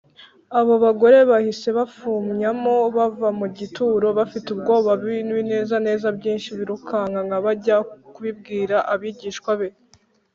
abo bagore bahise bafumyamo bava ku gituro “bafite ubwoba n’ibinezaneza byinshi, birukanka bajya kubibwira abigishwa be